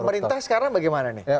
dan pemerintah sekarang bagaimana nih